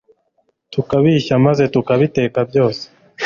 tukabishya maze tukabiteka byose